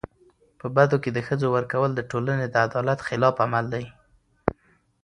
په بدو کي د ښځو ورکول د ټولني د عدالت خلاف عمل دی.